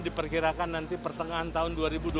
diperkirakan nanti pertengahan tahun dua ribu dua puluh